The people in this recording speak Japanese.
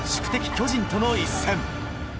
巨人との一戦。